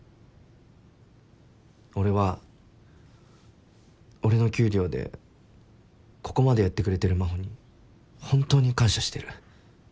俺は俺の給料でここまでやってくれてる真帆に本当に感謝してる。